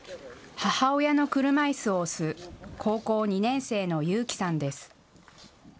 母親の車いすを押す高校２年生の優輝さんです。